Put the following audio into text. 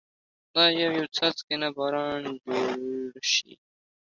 دا يو يو څاڅکي نه باران جوړ شي